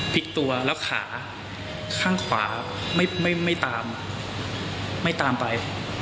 พลิกตัวแล้วขาข้างขวาไม่ตามไม่ตามไป